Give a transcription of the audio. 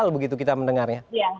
begitu kita mendengarnya